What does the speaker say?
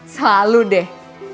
salah lu deh